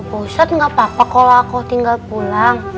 pak ustadz gak apa apa kalau aku tinggal pulang